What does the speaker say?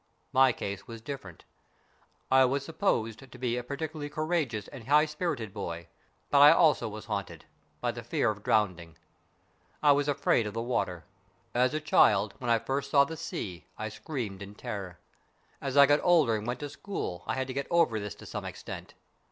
My case was different. I was supposed to be a particularly courageous and high spirited boy, but I also was haunted by the dread of drowning. I was afraid of the water. As a child, when I first saw the sea I screamed with terror. As I got older and went to school I had to get over this to some extent.